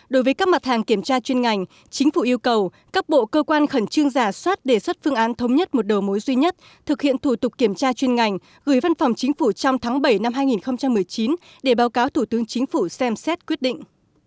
đối với các mặt hàng kiểm tra chuyên ngành chính phủ yêu cầu các bộ cơ quan khẩn trương giả soát đề xuất phương án thống nhất một đầu mối duy nhất thực hiện thủ tục kiểm tra chuyên ngành gửi văn phòng chính phủ trong tháng bảy năm hai nghìn một mươi chín để báo cáo thủ tướng chính phủ xem xét quyết định